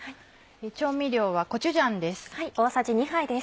調味料はコチュジャンです。